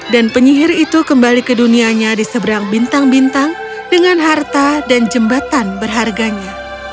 dan penyihir itu kembali ke dunianya di seberang bintang bintang dengan harta dan jembatan berharganya